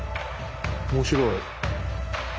面白い。